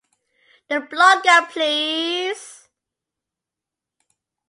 The Blogga, Please!